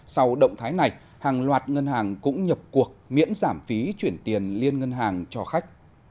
sau động thái này hàng loạt ngân hàng cũng nhập cuộc miễn giảm phí chuyển tiền liên ngân hàng cho khách